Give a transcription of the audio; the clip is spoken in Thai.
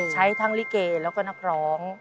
ใช้ทั้งลิเกแล้วก็นักร้อง